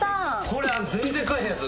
これ全然買えへんやつ。